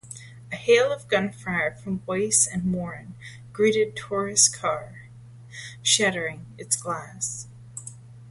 A hail of gunfire from Weiss and Moran greeted Torrios car, shattering its glass.